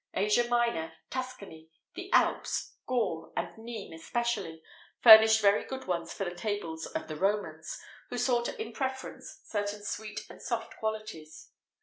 Asia Minor, Tuscany, the Alps, Gaul, and Nîmes especially, furnished very good ones for the tables of the Romans,[XVIII 48] who sought in preference certain sweet and soft qualities.